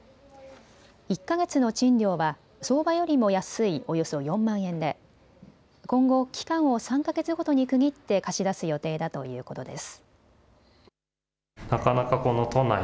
１か月の賃料は相場よりも安いおよそ４万円で今後、期間を３か月ごとに区切って貸し出す予定だということです。